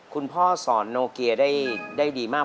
คุณพ่อสอนโนเกียได้ดีมาก